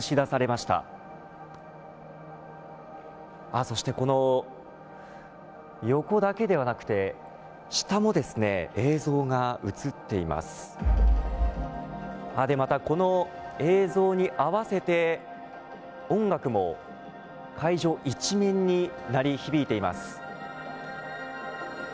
また、この映像に合わせて音楽も会場一面に鳴り響いています。